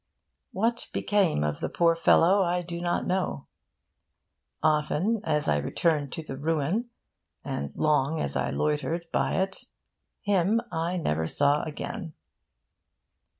What became of the poor fellow I do not know. Often as I returned to the ruin, and long as I loitered by it, him I never saw again.